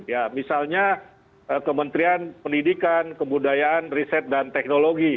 ya misalnya kementerian pendidikan kebudayaan riset dan teknologi